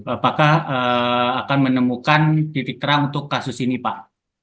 apakah akan menemukan titik terang untuk kasus ini pak